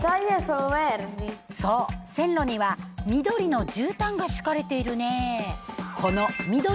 そう線路には緑のじゅうたんが敷かれているね。